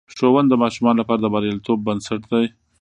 ښوونه د ماشومانو لپاره د بریالیتوب بنسټ دی.